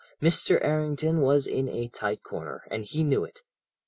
Mr. Errington was in a tight corner, and he knew it.